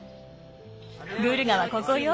グルガはここよ。